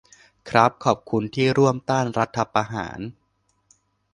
ครับ ขอบคุณที่ร่วมต้านรัฐประหาร